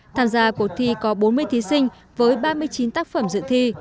tham gia cuộc thi có bốn mươi thí sinh với ba mươi chín tác phẩm dự thi